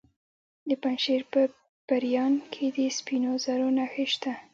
د پنجشیر په پریان کې د سپینو زرو نښې شته.